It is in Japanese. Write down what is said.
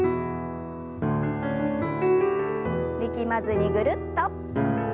力まずにぐるっと。